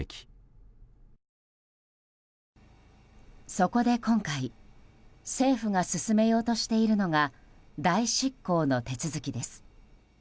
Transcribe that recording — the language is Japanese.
そこで今回政府が進めようとしているのが代執行の手続きです。